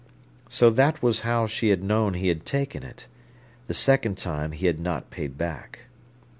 So that was how she had known he had taken it. The second time he had not paid back.